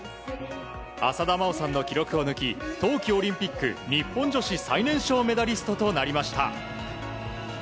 浅田真央さんの記録を抜き冬季オリンピック日本女子最年少メダリストとなりました。